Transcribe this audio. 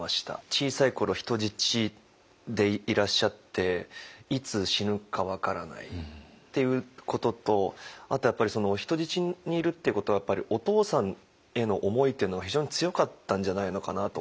小さい頃人質でいらっしゃっていつ死ぬか分からないっていうこととあとやっぱり人質にいるっていうことはお父さんへの思いっていうのが非常に強かったんじゃないのかなと思っていて。